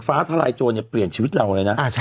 ฟ้าทลายโจรเปลี่ยนชีวิตเราเลยนะ